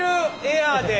エアーで！